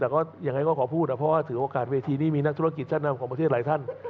แต่ก็ยังไงก็ขอพูดเพราะว่าถือโอกาสเวทีนี้มีนักธุรกิจชั้นนำของประเทศหลายท่าน